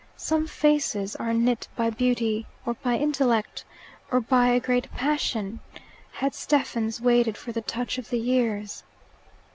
Some faces are knit by beauty, or by intellect, or by a great passion: had Stephen's waited for the touch of the years?